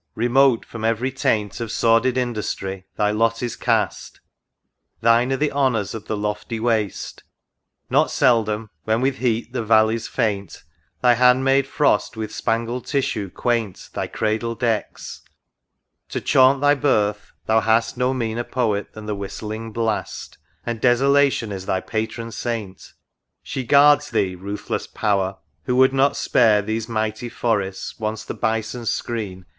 remote from every taint Of sordid industry thy lot is cast ; Thine are the honors of the lofty waste ; Not seldom, when with heat the valleys faint, Thy hand maid Frost with spangled tissue quaint Thy cradle decks ;— to chaunt thy birth, thou hast ' No meaner Poet than the whistling Blast, And Desolation is thy Patron saint ! She guards thee, ruthless Power ! who would not spare Those mighty forests, once the bison's screen.